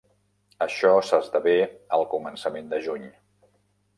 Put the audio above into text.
Això s'esdevé al començament de juny.